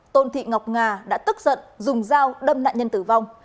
tôn thị ngọc nga đã tức giận dùng dao đâm nạn nhân tử vong